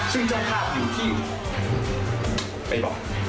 ซึ่งเจ้าภาพอยู่ที่ไม่บอกเอาแค่นี้ดีกว่า